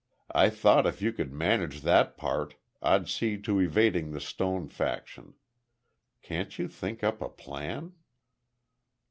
I thought if you could manage that part, I'd see to evading the Stone faction. Can't you think up a plan?"